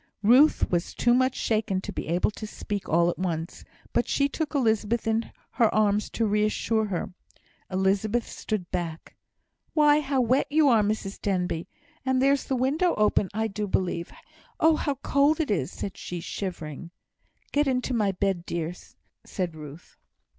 Ruth was too much shaken to be able to speak all at once; but she took Elizabeth in her arms to reassure her. Elizabeth stood back. "Why, how wet you are, Mrs Denbigh! and there's the window open, I do believe! Oh, how cold it is!" said she, shivering. "Get into my bed, dear!" said Ruth.